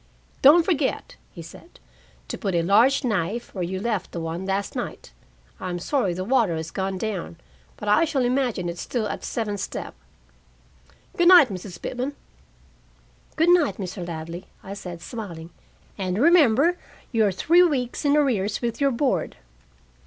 "Don't forget," he said, "to put a large knife where you left the one last night. I'm sorry the water has gone down, but I shall imagine it still at the seventh step. Good night, Mrs. Pitman." "Good night, Mr. Ladley," I said, smiling, "and remember, you are three weeks in arrears with your board."